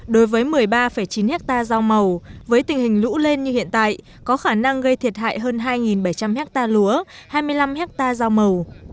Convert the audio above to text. đối với một mươi ba chín hectare rau màu với tình hình lũ lên như hiện tại có khả năng gây thiệt hại hơn hai bảy trăm linh hectare lúa hai mươi năm hectare rau màu